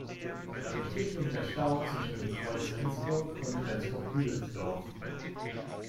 Dadurch vier Kilometer Stau zwischen dem Kreuz Rendsburg und Rendsburg-Büdelsdorf.